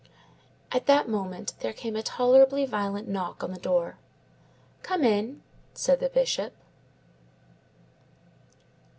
At that moment there came a tolerably violent knock on the door. "Come in," said the Bishop.